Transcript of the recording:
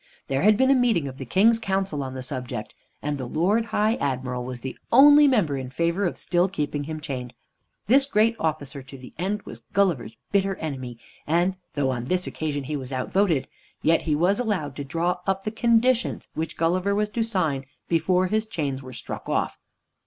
There had been a meeting of the King's Council on the subject, and the Lord High Admiral was the only member in favor of still keeping him chained. This great officer to the end was Gulliver's bitter enemy, and though on this occasion he was out voted, yet he was allowed to draw up the conditions which Gulliver was to sign before his chains were struck off.